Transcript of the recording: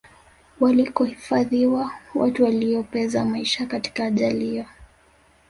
walikohifadhiwa watu waliopeza maisha katika ajali hiyo